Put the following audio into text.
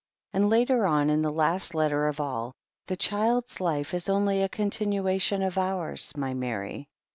..." And, later on, in the last letter of all: "The child's life is only a con tinuation of ours, my Mary."